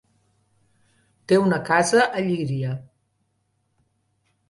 Té una casa a Llíria.